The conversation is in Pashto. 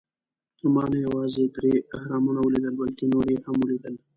ما نه یوازې درې اهرامونه ولیدل، بلکې نور یې هم ولېدل.